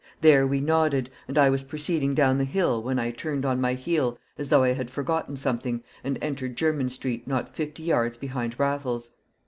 There we nodded, and I was proceeding down the hill when I turned on my heel as though I had forgotten something, and entered Jermyn Street not fifty yards behind Raffles.